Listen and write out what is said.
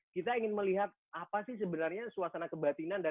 kita ingin melihat apa sih sebenarnya suasana kebatinan